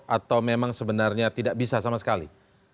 atau memang sebenarnya tidak bisa sama sekali